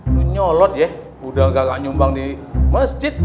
itu nyolot ya udah gak nyumbang di masjid